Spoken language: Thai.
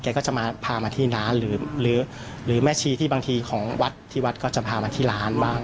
ก็จะมาพามาที่ร้านหรือแม่ชีที่บางทีของวัดที่วัดก็จะพามาที่ร้านบ้าง